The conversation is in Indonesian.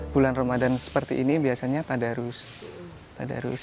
bulan ramadan seperti ini biasanya tadarus